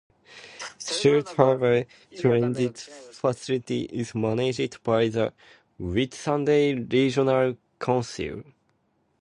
Shute Harbour Transit Facility is managed by the Whitsunday Regional Council.